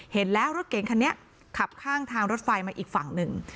เห็นแล้วรถเก๋งคันนี้ขับข้างทางรถไฟมาอีกฝั่งหนึ่ง